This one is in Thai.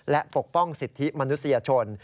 และปกป้องสิทธิมนุษยชน